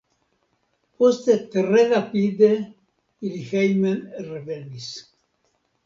Poste tre rapide ili hejmen revenis.